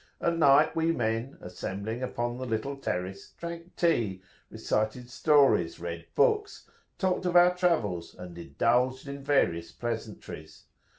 At night we men, assembling upon the little terrace, drank tea, recited stories, read books, talked of our travels, and indulged in various pleasantries.